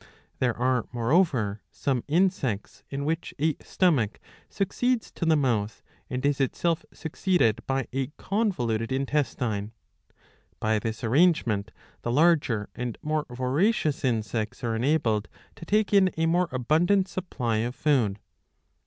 There are, moreover, some insects in which a stomach succeeds to the mouth, and is itself succeeded by a convoluted intestine.'''* By this arrangement the larger and more voracious insects are enabled to take in a more abundant supply of food.''''